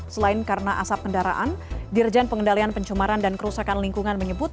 selain karena asap kendaraan dirjen pengendalian pencemaran dan kerusakan lingkungan menyebut